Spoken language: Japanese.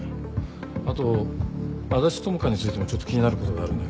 あと安達智花についてもちょっと気になることがあるんだけど。